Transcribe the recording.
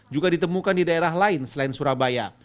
juga ditemukan di daerah lain selain surabaya